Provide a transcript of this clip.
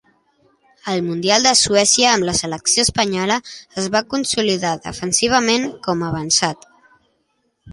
Al mundial de Suècia, amb la selecció espanyola, es va consolidar defensivament com a avançat.